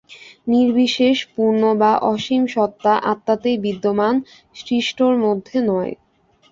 নির্বিশেষ পূর্ণ বা অসীম সত্তা আত্মাতেই বিদ্যমান, সৃষ্টর মধ্যে নয়।